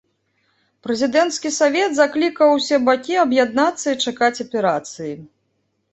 Прэзідэнцкі савет заклікаў усе бакі аб'яднацца і чакаць аперацыі.